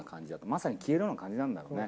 まさに消えるような感じなんだろうね。